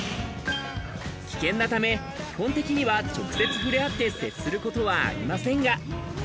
危険なため、基本的には直接触れ合って接することはありませんが。